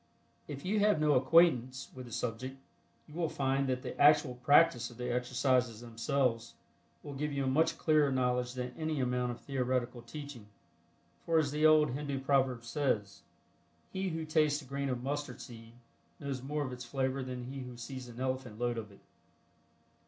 If you have no acquaintance with the subject, you will find that the actual practice of the exercises themselves will give you a much clearer knowledge than any amount of theoretical teaching, for as the old Hindu proverb says, "He who tastes a grain of mustard seed knows more of its flavor than he who sees an elephant load of it."